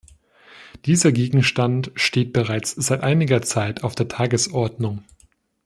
Dieser Gegenstand steht bereits seit einiger Zeit auf der Tagesordnung.